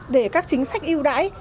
để các chính sách yêu đãi